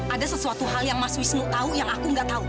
ada sesuatu hal yang mas wisnu tau yang aku gak tau